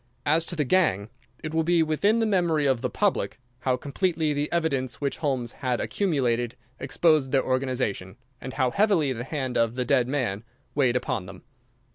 As to the gang, it will be within the memory of the public how completely the evidence which Holmes had accumulated exposed their organization, and how heavily the hand of the dead man weighed upon them.